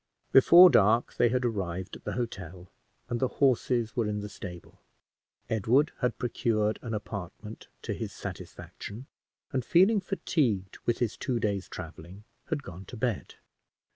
Before dark they had arrived at the hotel, and the horses were in the stable. Edward had procured an apartment to his satisfaction, and, feeling fatigued with his two days' traveling, had gone to bed.